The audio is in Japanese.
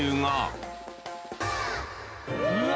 うわ！